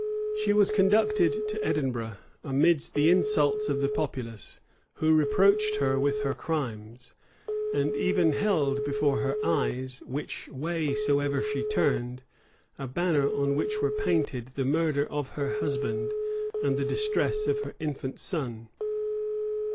She was conducted to Edinburgh, amidst the insults of the populace; who reproached her with her crimes, and even held before her eyes, which way soever she turned, a banner, on which were painted the murder of her husband and the distress of her infant son.